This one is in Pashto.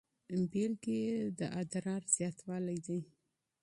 بیلګې یې د ادرار زیاتوالی دی.